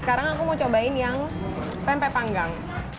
sekarang aku mau cobain yang pempek panggang